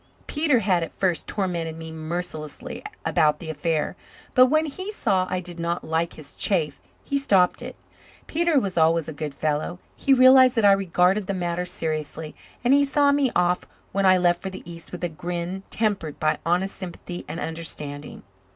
Peter had at first tormented me mercilessly about the affair, but when he saw I did not like his chaff he stopped it. Peter was always a good fellow. He realized that I regarded the matter seriously, and he saw me off when I left for the east with a grin tempered by honest sympathy and understanding.